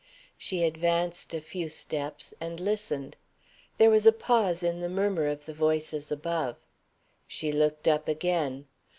She advanced a few steps and listened. There was a pause in the murmur of the voices above. She looked up again.